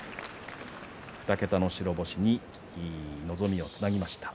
２桁の白星に望みをつなぎました。